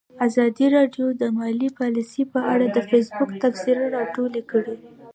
ازادي راډیو د مالي پالیسي په اړه د فیسبوک تبصرې راټولې کړي.